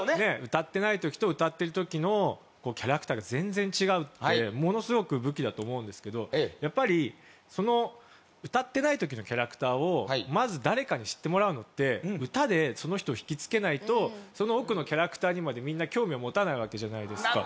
歌ってない時と歌ってる時のキャラクターが全然違うってものすごく武器だと思うんですけどやっぱり歌ってない時のキャラクターをまず誰かに知ってもらうのって歌でその人を引き付けないとその奥のキャラクターにまでみんな興味を持たないわけじゃないですか。